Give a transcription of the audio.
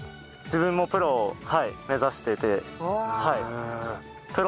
自分もプロを目指してて。